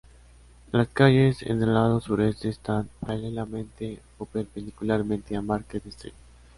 Las calles en el lado sureste están paralelamente o perpendicularmente a Market Street.